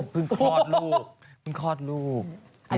พี่ปุ้ยลูกโตแล้ว